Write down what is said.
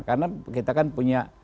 karena kita kan punya